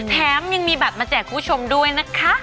แถมยังมีบัตรมาแจกคุณผู้ชมด้วยนะคะ